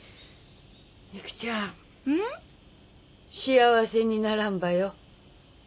幸せにならんばよ。